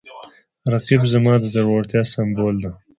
رقیب زما د زړورتیا سمبول دی